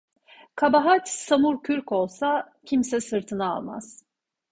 Kabahat samur kürk olsa kimse sırtına almaz.